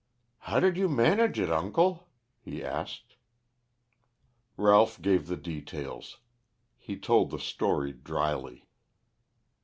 "How did you manage it, uncle?" he asked. Ralph gave the details. He told the story dryly.